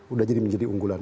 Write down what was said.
udah jadi menjadi unggulan